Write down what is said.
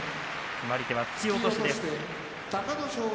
決まり手は突き落としです。